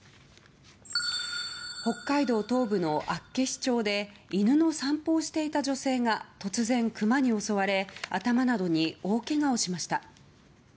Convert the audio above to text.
北海道東部の厚岸町で犬の散歩をしていた女性が突然、クマに襲われ頭などに大けがをしました。